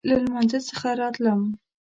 له لمانځه څخه راتلم.